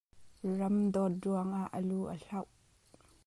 Ram dawt ruang ah a lu a hloh.